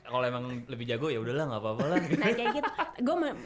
kalo emang lebih jago yaudahlah gapapa lah